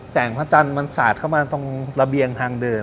พระจันทร์มันสาดเข้ามาตรงระเบียงทางเดิน